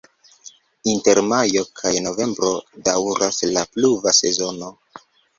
Inter majo kaj novembro daŭras la pluva sezono.